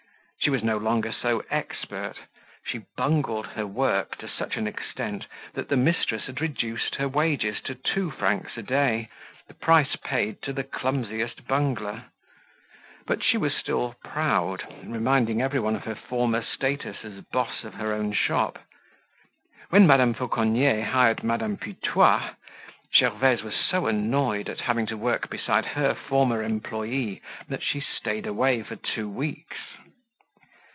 She was no longer so expert. She bungled her work to such an extent that the mistress had reduced her wages to two francs a day, the price paid to the clumsiest bungler. But she was still proud, reminding everyone of her former status as boss of her own shop. When Madame Fauconnier hired Madame Putois, Gervaise was so annoyed at having to work beside her former employee that she stayed away for two weeks.